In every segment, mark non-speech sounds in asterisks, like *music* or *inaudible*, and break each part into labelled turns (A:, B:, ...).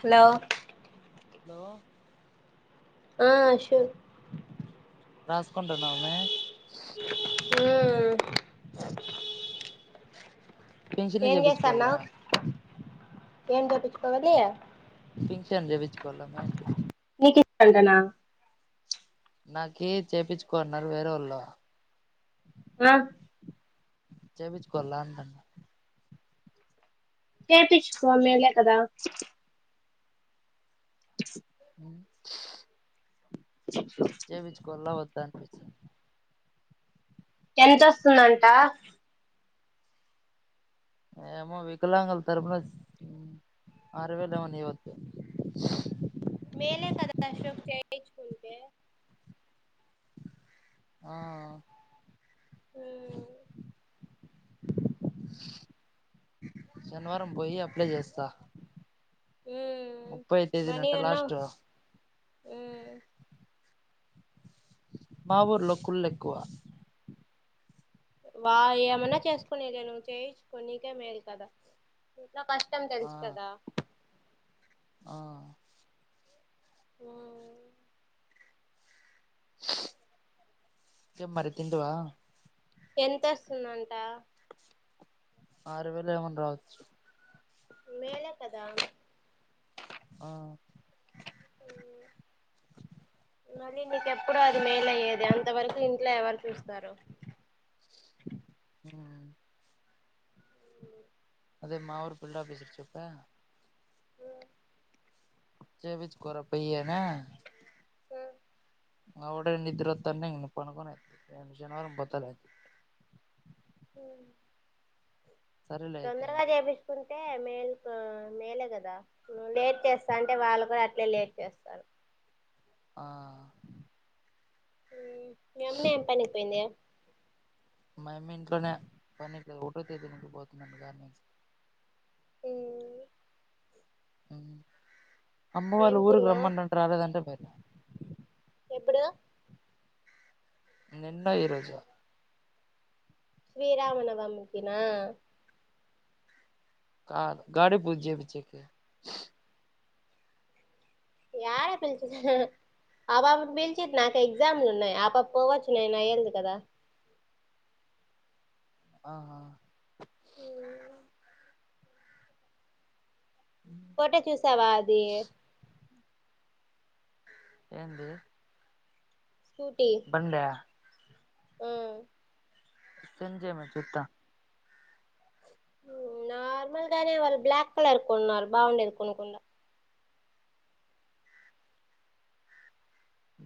A: Hello.
B: Hello
A: ఆ అషూ.
B: రాసుకుంటున్నావ అమ్మి
A: అ
B: ఫింక్షన్ జేబిచుకోల్లా.
A: ఏం జేపిచ్చుకోవాలి.?
B: ఫింక్షన్ జేపిచు. కోల్లమే ఆన్టి.
A: నీకు *unintelligible*
B: నాకీ చేపిచ్చుకోన్నారు వేరే వొళ్ళు.
A: ఆ.
B: చెపిచ్చుకోల్ల అంటాన్న.
A: చెపిచ్చుకో మేలే కదా. !
B: చెపిచుకోల్న వద్ద్ దా అన్పిచిం.
A: ఎంతొస్తుందంటా.? !
B: ఏమో వికలాంగుల్ తరపునా అరవేలెవన్న ఇవ.
A: మేలే కద అశోక్ చేచ్కుంట
B: ఆ
A: హ్మ్మ్
B: శనివారం పోయి అప్లై చేస్తా
A: మ్మ్
B: ముప్పై తేదీన
A: మనీ
B: అంటా
A: అన్నా
B: లాస్ట్
A: మ్మ్
B: మా ఊర్లో కుళ్ళు ఎక్కువ
A: వా ఏమన్నా చేసుకునేద నువ్వు చేయించు కొన్నికే మేల్ కదా నా కష్టం
B: ఆ
A: తెలుసు కదా
B: ఆ
A: ఓ
B: ఏ మరి తింటి వా
A: ఎంత వస్తుందంట
B: ఆరు వేలు ఏమన్నా రావచ్చు
A: మెలే కద
B: ఆ
A: మళ్ళీ నీకెప్పుడు అది మేలయ్యేది అంతవరకు ఇంట్లో ఎవరు చూస్తారు
B: హ్మ్మ్ అదే మా ఊర్ ఫిల్డ్ ఆఫీస్ర్చ్చప్ప చేపించుకోరా పొయ్యి అని
A: స
B: ఆవిడే నిద్రోత్తన్న ఇక పనికునే రేపు శనివారం పోతాలే
A: హ్మ్మ్
B: సరేలే అయితే
A: తొందరగా
B: అన్న
A: చేపిస్తుకుంట అంటే మేల్ మేలే కదా ను లేట్ చేస్తా అంటే వాళ్ళు కూడా అట్లే లేట్ చేస్తారు
B: ఆ
A: మీ అమ్మ ఏం పని కి పోయింది
B: మాయమ్మ ఇంట్లోనే పనికి ఒకటో తేదీ నుండి పోతుందంట గాని
A: ఉమ్
B: హ్మ్మ్ అమ్మ
A: ఏం
B: వాళ్ళ ఊరుకి
A: తిన్నావు
B: రమ్మన్నాటే రాలేదంట మీరు
A: ఎప్పుడు
B: నిన్న ఈ రోజు
A: శ్రీరామనవమి కినా
B: కాదు గాడి పూజ చెపిచ్చే కి
A: ఏల పిలిచేది ఆదివారం నుంచి నాకు ఎగ్జామ్లు ఉన్నాయి ఆ పాప పోవచ్చు నేనా అయ్యలేదు కదా
B: ఆ
A: హ్మ్మ్ ఫోటో చూసావా అది
B: ఏంది బండా
A: హ్మ్మ్
B: సెండ్ చేయమను చూత్తా
A: నార్మల్ గానే వాళ్ళు బ్లాక్ కలర్ కొన్నారు బాగుండేది కొనకుండా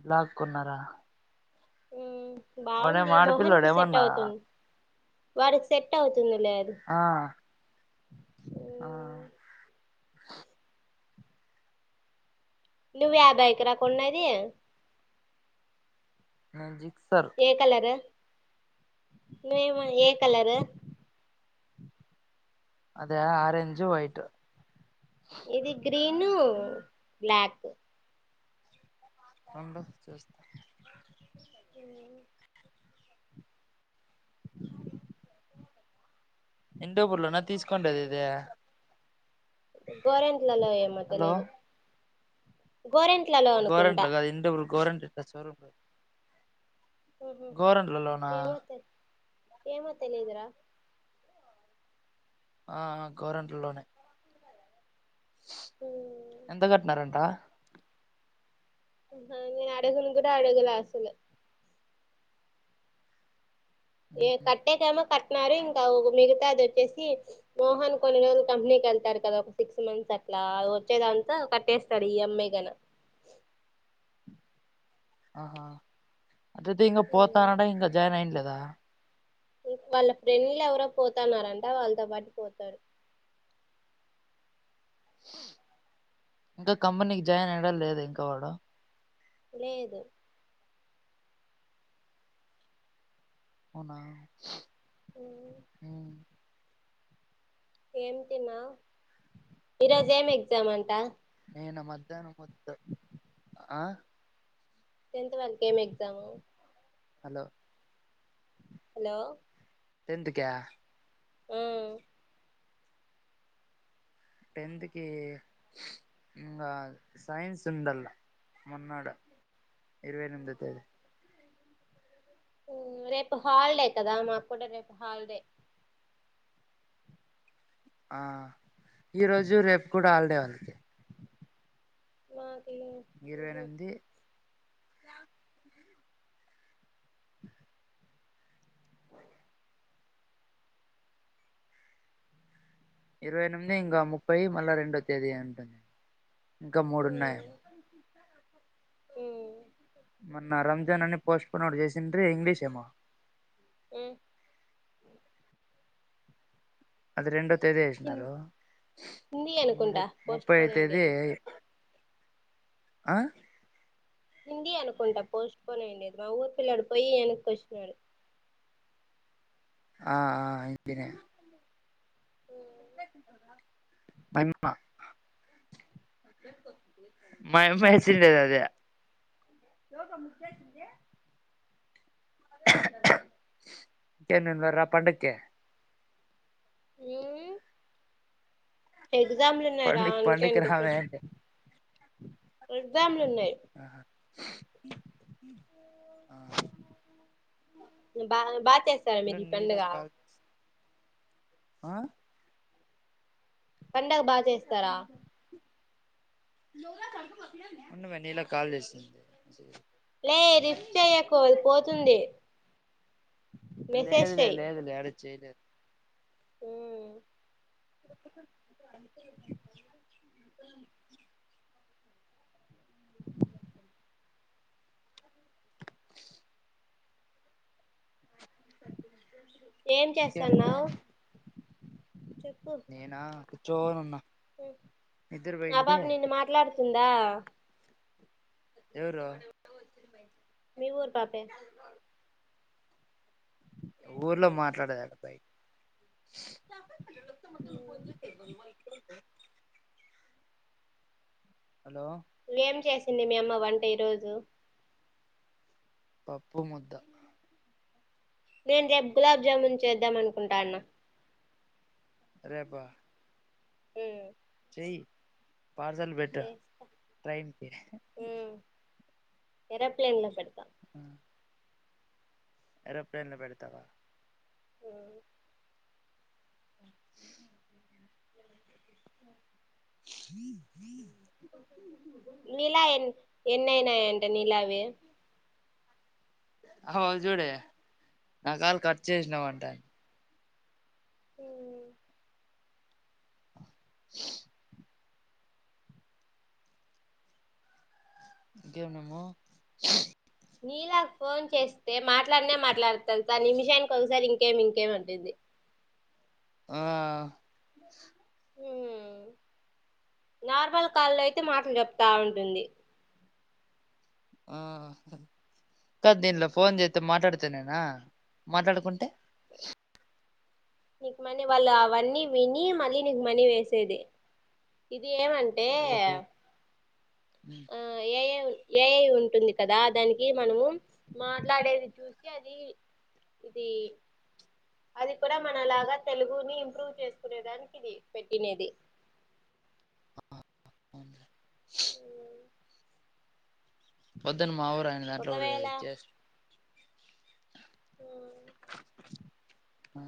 B: బ్లాక్ కొన్నారా
A: ఉహు బాగుంది మోహన్
B: ఆడపిల్లోడా
A: కి సెట్
B: ఏమన్నా
A: అవుతుంది వాడికి సెట్ అవుతు తుంది లే అది
B: ఆ ఆ
A: నువ్వు యా భైకు రా కొన్నది
B: హజి
A: ఏ కలరు నే మా ఏ కలర్ రు
B: ఆదా ఆరెంజ్ వైట్
A: ఇది గ్రీను బ్లాక్
B: రెండు చూస్తా
A: *inaudible*
B: ఇంటోపుుర్లోనా తీసుకోండది ఇదే
A: గొరన్ లేలో ఏమో
B: హలో
A: తెలియదు గోరెంట్లలో అనుకుంటా
B: గోరంట్ల టచ్వరు
A: మ్మ్
B: గోరంట్లలోనా
A: ఏమో తె ఏమో తెలియదురా
B: ఆ ఆ గోరంట్ల లోనే ఎంత
A: మ్మ్
B: కట్టినారంట
A: అహ నేను ఆడగునకూడా ఆడగలే అస్సులు ఏ కట్టే కేమోకట్ట న్నారు ఇంకా మిగతా అది వచ్చేసి మోహన్ కొన్ని రోజులు కంపెనీకి వెళ్తారు కదా ఒక సిక్స్ మంత్స్ అట్లా వచ్చేదాంతా కట్టేస్తాడు ఈ యం. ఐ గన
B: ఆహా అట్లయితే ఇంకా పోతానాడఇంకా జాయిన్ అయ్యిండ్లే దా
A: ఇం వాళ్ళ ఫ్రెండ్లు ఎవరో పోతున్నారంట వాళ్ళతో పాటు పోతారు
B: ఇంకా కంపెనీకి జాయిన్ అయినాడలేద ఇంకా వాడు
A: లేదు
B: అవునా
A: *inaudible* ఏమి తిన్నా ఈరోజ ఏం ఎగ్జామ్ అంటా
B: నేన మధ్యాహ్నం మొత్తం ఆ
A: టెన్త్ వరకు ఏమి ఎగ్జామ్ ము
B: హలో
A: హలో
B: టెన్న్త్ క్యా
A: ఉ
B: టెన్న్త్కి ఇంగా సైన్స్ ఉండల్లా మొన్నాడు, ఇరవై ఎనిమిదొ తేదీ.
A: ఉ రేపు హాలిడే కదా మాకు కూడా రేపు హాలిడే
B: ఆ ఈ రోజు జు రేపు కూడా హాళ్డేవాళ్ళకి
A: మా
B: లవ్ ఇరవై ఎనిమిది, ఇంకా ముప్పై, మల్ల రెండో తేదీ అంటుంది. ఇంకా మూడున్నాయ *unintelligible*
A: ఉ
B: ఇంటర్వి ఇంగ్లీష్ ఏమో
A: ఉ
B: అది రెండొ తేదీ
A: ఉ
B: వేసినారు,
A: హిందీ
B: ఇంగ
A: అనుకుంటా
B: ముప్
A: పోస్ట్
B: ముప్పయో
A: పోన్
B: తేదీ
A: అయిండేది
B: ఆ
A: హింది అనుకుంటా పోస్ట్పోన్ అయిండెది, మా ఊరు పిల్లొడు పోయి యానకోచినాడు.
B: ఆ ఆ హిందీ నే మాయీమ్మ జెడ్ మాయీమ్మేసిండేది అదే. ఇంకేం నేనుడరా పండక్కి
A: ఏ ఎగ్జామ్లు ఉన్నాయి రా
B: పండక్కి
A: అందుకే
B: పండక్కి రావే
A: ఇంటికూడాపో
B: అంటే
A: *unintelligible* ఎగ్జామ్ లున్నాయి. బా బాగా చేస్తారా,
B: ఉండు
A: మీరి ఈ
B: నీలా
A: పండుగ.
B: కాల్ ఆ
A: పండగ బాచేస్తారా
B: ఉండుమే నీలా కాల్ చేసింది
A: లే రిఫ్ చెయకు ఆది పోతుంది మెసేజ్
B: లేదులే లేదులే యడ చైలా
A: హు
B: *inaudible* *inaudible*
A: ఏం
B: ఇంకేమె
A: చేస్తన్నావ్ చెప్పు
B: నేనా కూర్చోనున్నా నిద్దర
A: ఆ
B: పోయింటి
A: పాప నిన్ను మాట్లాడుతుందా
B: ఎవరు
A: మీ ఊరు పాపే
B: ఊర్లో మాట్లాడేది కాదు అబ్బాయ్ *unintelligible* హలో
A: ఏం చేసింది మీ అమ్మ వంట ఈ రోజు
B: పప్పు ముద్ద
A: నేను రేపు గులాబ్ జామున్ చేద్దాం అనుకుంటాన్నా
B: రేపా
A: ఉ
B: చెయ్ పార్సల్ వెట్టూ
A: చేస్తా
B: ట్రైన్ కి
A: ఉమ్ ఏరోప్లేన్ లో పెడతా
B: ఉ ఏరొప్లేన్ లో పెడతావా హ
A: నీలా ఎన్ ఎన్నైనాయంట నీలా వి
B: *unintelligible* చూడీ నా కాళ్ కట్ చేసినవంటాంది
A: ఉ
B: ఓ ఇంకేమ్ నమొ
A: నీలా క్ ఫోన్ చేస్తే మాట్లాన్నే మాట్లాడతాది కాని నిమిషానికి కొగసారి ఇంకేమ్ ఇంకేమ్ అంటుద్ది
B: ఆ
A: ఉమ్ నార్మల్ కాల్లో అయితే మాట్లు జొప్తా ఉంటుంది
B: ఆ కాద్ దీనిలో ఫోన్ జేత్తే మాట్లాడితేనేనా మాట్లాడకుంటే
A: నీకి మనీ వాళ్ళు అవన్నీ విని మళ్ళీ నీకు మనీ వేసేది ఇది ఏమంటే
B: ఓహో
A: ఆ ఏ ఐ వు ఏఐ ఉంటుంది కదా దానికి మనము మాట్లాడేది చూసి అది ఇది అది కూడా మనలాగా తెలుగుని ఇంప్రూవ్ చేసుకునే దానికి ఇది పెట్టిన్నేది
B: పొద్దున మావొ పన్నెండు గంట్లవ్వుడు
A: ఒకవేళ
B: చేస్
A: *unintelligible*
B: మా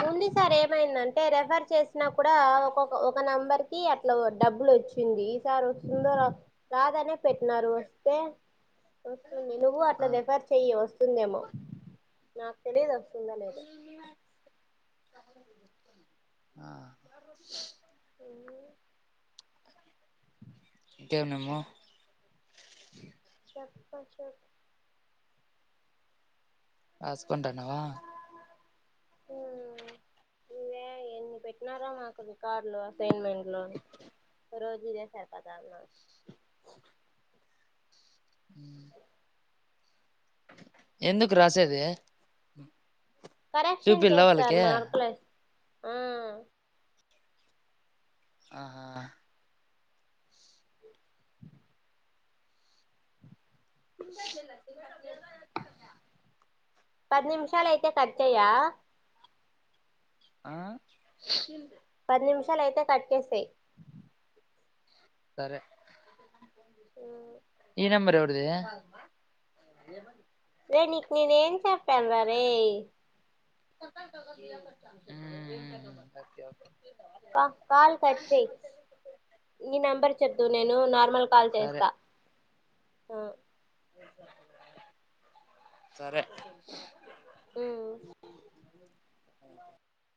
A: ముందు సారి ఏమైందంటే రెఫర్ చేసినా కూడా ఒకొక్క ఒక నెంబర్ కి అట్లా డబ్బులొచ్చింది ఈ సారి వొస్తుందొ రాద్ రాదనే పెట్నారు వస్తే వస్తుంది నువ్వు అట్లా
B: ఆ
A: రెఫర్ చెయ్యి వస్తుందేమో నాక్ తెలిదు అవ్ వొత్తుందో లేదొ
B: ఆ
A: ఆ
B: ఇంకేం ఇమ్ము
A: చొప్ప చొప్
B: రాసుకుంటన్నవా
A: ఆ ఇవే ఎన్ని పెట్నారో మాకు రికార్డులు అసైన్మెంట్లు రోజు ఇదే సరిపోతాంది నాకి
B: ఉ ఎందుకు రాసేది
A: కరెక్షన్
B: చూపిల్ల
A: చేస్తారు
B: వాళ్ళకి
A: మార్కులెస్ ఆ
B: ఆహా
A: పది నిమిషాలు అయితే కట్ చేయా
B: ఆ
A: పది నిమిషాలు అయితే కట్ చేసేయ్
B: సరే ఈ నెంబర్ ఎవర్ది
A: రే నేను నీకు నేను ఏం చెప్పాను రరే
B: ఒకే ఒకే
A: కాల్ కట్ చే నీ నెంబర్ చెప్దు నేను నార్మల్ కాల్ చేస్త
B: సరే సరే
A: ఉమ్
B: అహ